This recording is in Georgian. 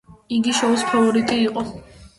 იგი შოუს ფავორიტი იყო.